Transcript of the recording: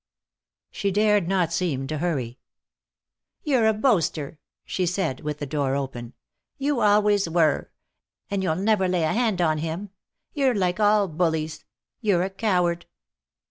She dared not seem to hurry. "You're a boaster," she said, with the door open. "You always were. And you'll never lay a hand on him. You're like all bullies; you're a coward!"